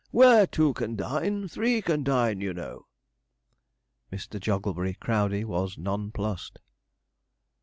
Where two can dine, three can dine, you know.' Mr. Jogglebury Crowdey was nonplussed.